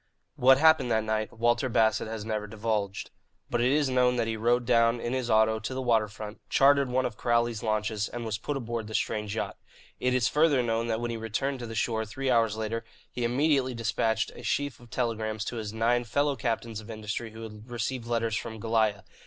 What happened that night Walter Bassett has never divulged. But it is known that he rode down in his auto to the water front, chartered one of Crowley's launches, and was put aboard the strange yacht. It is further known that when he returned to the shore, three hours later, he immediately despatched a sheaf of telegrams to his nine fellow captains of industry who had received letters from Goliah.